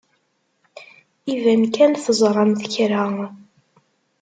Iban kan teẓramt kra.